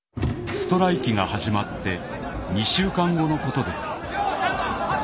ストライキが始まって２週間後のことです。